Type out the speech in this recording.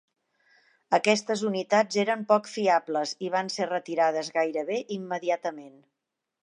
Aquestes unitats eren poc fiables i van ser retirades gairebé immediatament.